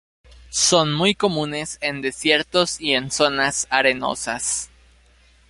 Son muy comunes en desiertos y en zonas arenosas.